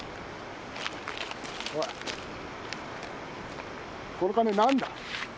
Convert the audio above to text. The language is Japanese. おいこの金何だ？